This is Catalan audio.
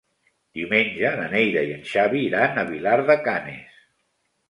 Diumenge na Neida i en Xavi iran a Vilar de Canes.